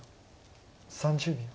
３０秒。